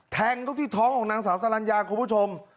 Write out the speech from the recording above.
แทงเข้าที่ท้องของนางสาวสลัญญาคุณผู้ชม